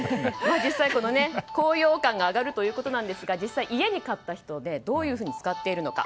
実際、高揚感が上がるということですが実際、家に買った人でどういうふうに使っているのか。